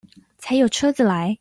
才有車子來